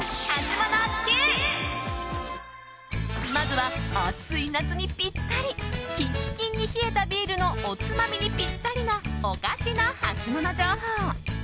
まずは暑い夏にピッタリキンキンに冷えたビールのおつまみにピッタリなお菓子のハツモノ情報。